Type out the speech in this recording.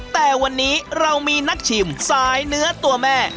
แต่วันนี้เรามีนักชิมสายเนื้อตัวแม่